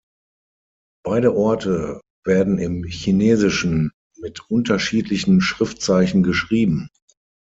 Beide Orte werden im Chinesischen mit unterschiedlichen Schriftzeichen geschrieben.